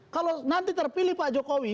kalau nanti terpilih pak jokowi